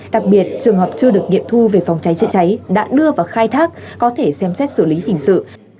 đặc biệt trường hợp chưa được nghiệm thu về phòng cháy chữa cháy đã đưa vào khai thác có thể xem xét xử lý hình sự